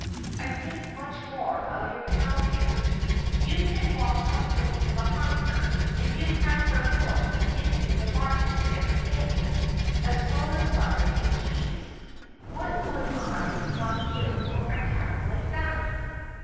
I think much more of your cow there. You can walk comfortably behind her, and you have her milk into the bargain every day, as well as butter and cheese. What would I not give for a cow like that!"